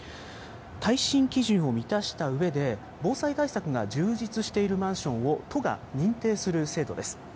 耐震基準を満たしたうえで、防災対策が充実しているマンションを都が認定する制度です。